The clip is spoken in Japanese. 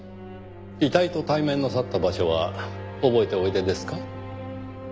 遺体と対面なさった場所は覚えておいでですか？